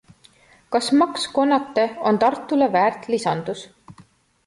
Kas Maks Konate on Tartule väärt lisandus?